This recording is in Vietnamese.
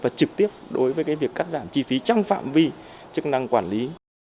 và trực tiếp đối với việc cắt giảm chi phí trong phạm vi chức năng quản lý